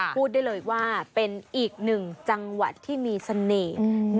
พูดได้เลยว่าเป็นอีกหนึ่งจังหวัดที่มีเสน่ห์